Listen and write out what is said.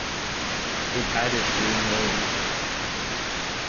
It had a serene melody.